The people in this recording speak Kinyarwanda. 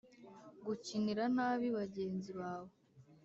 gukinira nabi bagenzi bawe